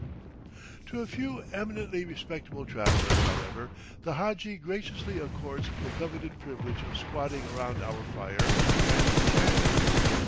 To a few eminently respectable travellers, however, the hadji graciously accords the coveted privilege of squatting around our fire and chatting.